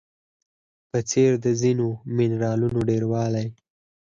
په څېر د ځینو منرالونو ډیروالی